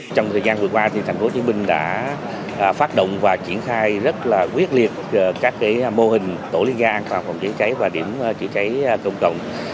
trong thời gian vừa qua thành phố hồ chí minh đã phát động và triển khai rất quyết liệt các mô hình tổn nên ra an toàn phòng cháy cháy và điểm cháy cháy công cộng